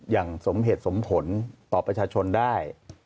อย่างสมเหตุสมผลต่อประชาชนได้